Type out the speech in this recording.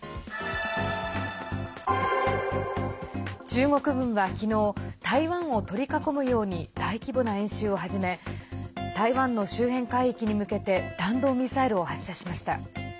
中国軍は昨日台湾を取り囲むように大規模な演習を始め台湾の周辺海域に向けて弾道ミサイルを発射しました。